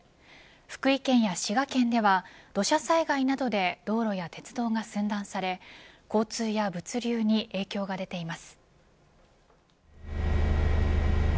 福井県や滋賀県では土砂災害などで道路や鉄道が寸断され交通や物流に影響が出ています。